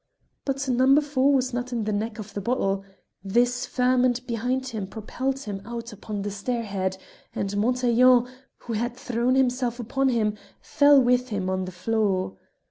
But number four was not in the neck of the bottle: this ferment behind him propelled him out upon the stairhead, and Montaiglon, who had thrown himself upon him, fell with him on the floor.